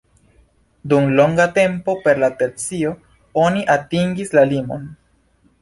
Dum longa tempo per la tercio oni atingis la limon.